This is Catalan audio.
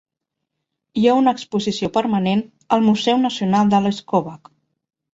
Hi ha una exposició permanent al museu nacional de Leskovac.